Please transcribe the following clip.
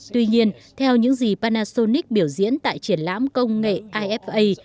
tuy nhiên theo những gì panasonic biểu diễn tại triển lãm công nghệ ifa